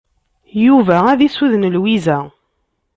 Yuba ad isuden Lwiza.